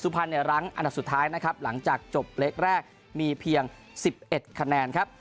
สุภัณฑ์เนี่ยรั้งอันดับสุดท้ายนะครับหลังจากจบเล็กแรกมีเพียงสิบเอ็ดคะแนนครับ